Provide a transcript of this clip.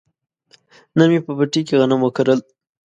نن مې په پټي کې غنم وکرل.